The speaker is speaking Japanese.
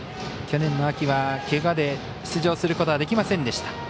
去年の秋はけがで出場することはありませんでした。